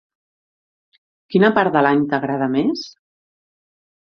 Quina part de l'any t'agrada més?